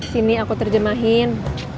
sini aku terjemahin